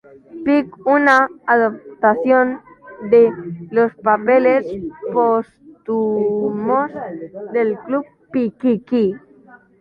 Pickwick en una adaptación de "Los papeles póstumos del Club Pickwick".